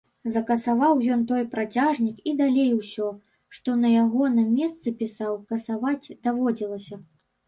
Закасаваў ён той працяжнік і далей усё, што на ягоным месцы пісаў, касаваць даводзілася.